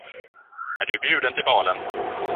Är du bjuden till balen?